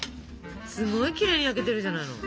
すごいきれいに焼けてるじゃないの。